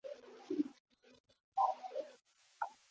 His own standpoint may be called a modern version of Aristotelianism.